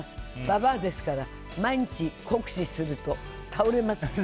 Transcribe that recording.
ババアですから毎日酷使すると倒れますよ。